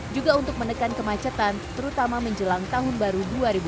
juga untuk menekan kemacetan terutama menjelang tahun baru dua ribu dua puluh